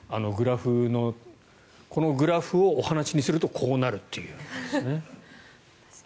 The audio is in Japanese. このグラフをお話にするとこうなるっていうことですね。